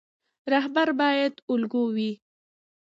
رهبر باید الګو وي